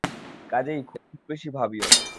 কাজেই খুব বেশি ভাবিও না।